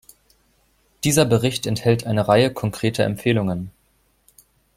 Dieser Bericht enthält eine Reihe konkreter Empfehlungen.